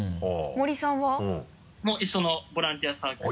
森さんは？も一緒のボランティアサークル。